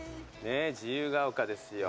自由が丘ですよ。